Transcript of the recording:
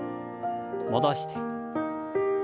戻して。